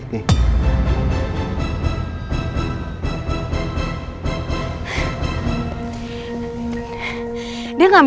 yang adanya untuk mendekati anda kamu